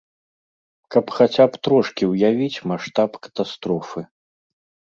Каб хаця б трошкі ўявіць маштаб катастрофы.